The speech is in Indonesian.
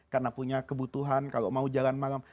karena punya kebutuhan kalau mau jalan malam